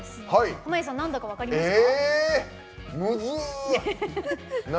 濱家さんなんだか分かりますか？